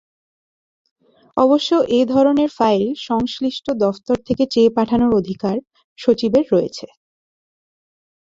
অবশ্য এধরনের ফাইল সংশ্লিষ্ট দফতর থেকে চেয়ে পাঠানোর অধিকার সচিবের রয়েছে।